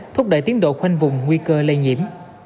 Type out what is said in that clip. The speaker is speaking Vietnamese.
thúc đẩy tiến độ khoanh vùng nguy cơ lây nhiễm